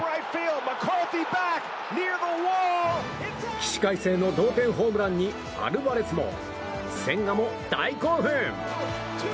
起死回生の同点ホームランにアルバレスも千賀も大興奮！